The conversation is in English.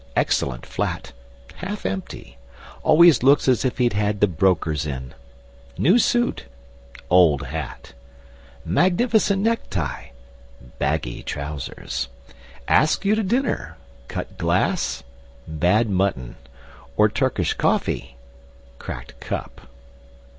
Excellent flat half empty! Always looks as if he'd had the brokers in. New suit old hat! Magnificent necktie baggy trousers! Asks you to dinner: cut glass bad mutton, or Turkish coffee cracked cup!